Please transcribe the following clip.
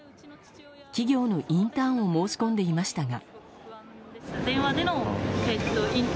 企業のインターンを申し込んでいましたが。